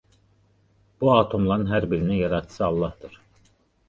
Bu atomların hər birinin Yaradıcısı Allahdır.